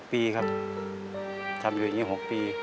ปีครับทำอยู่อย่างนี้๖ปี